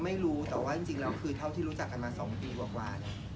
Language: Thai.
ไม่รู้แต่ว่าจริงแล้วคือเท่าที่รู้จักกันมา๒ปีกว่าเนี่ย